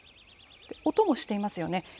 音もしていますよね。